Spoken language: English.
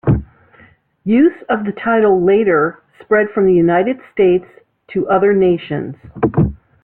Use of the title later spread from the United States to other nations.